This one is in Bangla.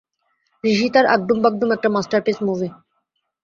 রিশিতার আগডুম বাগডুম একটা মাস্টারপিস মুভি।